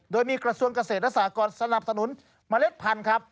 โดยมีกระทรวงเกษตรและสากรสนับสนุนเมล็ดพันธุ์ครับ